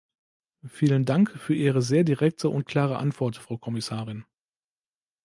Vielen Dank für Ihre sehr direkte und klare Antwort, Frau Kommissarin.